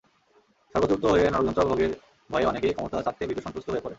স্বর্গচ্যুত হয়ে নরকযন্ত্রণা ভোগের ভয়ে অনেকে ক্ষমতা ছাড়তে ভীতসন্ত্রস্ত হয়ে পড়েন।